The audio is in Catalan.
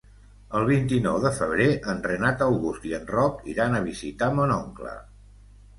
El vint-i-nou de febrer en Renat August i en Roc iran a visitar mon oncle.